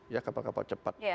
ya kapal kapal cepat